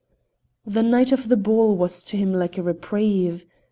The night of the ball was to him like a reprieve.